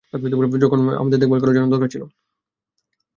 সবসময় আমার দেখভাল করার জন্য।